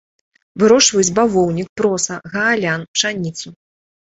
Вырошчваюць бавоўнік, проса, гаалян, пшаніцу.